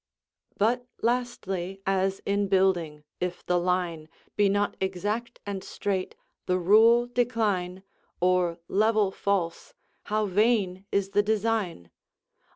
"But lastly, as in building, if the line Be not exact and straight, the rule decline, Or level false, how vain is the design!